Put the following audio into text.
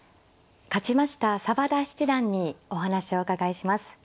勝ちました澤田七段にお話をお伺いします。